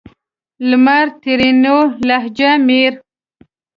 لمر؛ ترينو لهجه مير